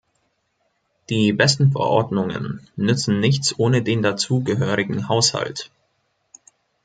Die besten Verordnungen nützen nichts ohne den dazu gehörigen Haushalt.